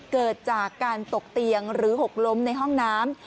เกิดจากการตกเตียงหรือหกล้มในห้องน้ำ